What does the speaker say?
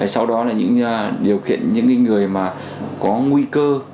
sau đó là những điều kiện những người mà có nguy cơ